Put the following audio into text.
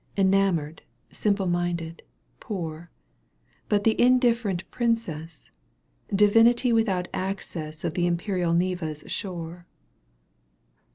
Enamoured, simple minded, poor, Bat the indifferent princess, Divinity without access Of the imperial Neva's shore.